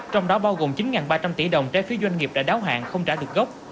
trong đó bao gồm chín ba trăm linh tỷ đồng trái phiếu doanh nghiệp đã đáo hạn không trả được gốc